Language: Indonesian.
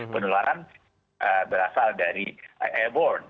pendulangan berasal dari airborne